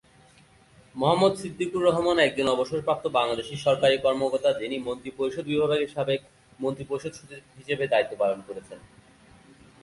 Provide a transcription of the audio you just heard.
মোহাম্মদ সিদ্দিকুর রহমান একজন অবসরপ্রাপ্ত বাংলাদেশি সরকারি কর্মকর্তা যিনি মন্ত্রিপরিষদ বিভাগের সাবেক মন্ত্রিপরিষদ সচিব হিসেবে দায়িত্ব পালন করছেন।